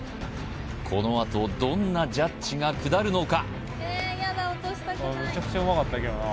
このあとどんなジャッジが下るのか？